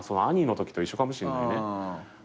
『アニー』のときと一緒かもしんないね。